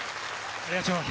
ありがとう。